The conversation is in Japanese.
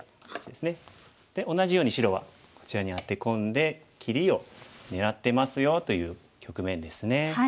で同じように白はこちらにアテ込んで切りを狙ってますよという局面ですね。